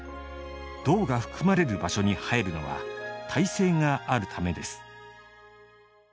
銅が含まれる場所に生えるのは耐性があるためです。